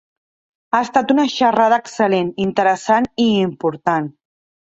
Ha estat una xerrada excel·lent, interessant i important.